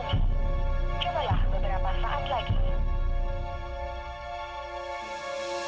cobalah beberapa saat lagi